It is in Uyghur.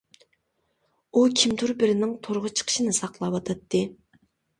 ئۇ كىمدۇر بىرىنىڭ تورغا چىقىشىنى ساقلاۋاتاتتى.